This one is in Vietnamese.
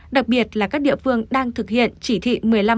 đặc biệt là các địa phương đang thực hiện chỉ thị một mươi năm một mươi sáu